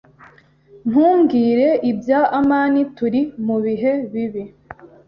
Ntumbwire ibya amani. Turi mu bihe bibi.